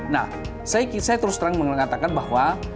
nah saya terus terang mengatakan bahwa